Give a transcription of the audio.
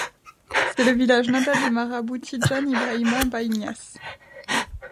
C'est le village natal du marabout tidjane Ibrahima Baye Niass.